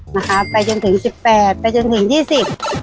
นะคะไปจนถึง๑๘บาทไปจนถึง๒๐บาท